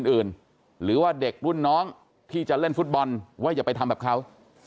อื่นหรือว่าเด็กรุ่นน้องที่จะเล่นฟุตบอลว่าอย่าไปทำแบบเขา